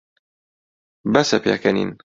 بەسە پێکەنین.